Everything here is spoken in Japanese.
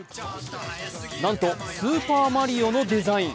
なんとスーパーマリオのデザイン。